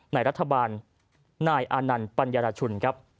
ในรัฐบาลนายอานันต์ปัญญารชุนครับ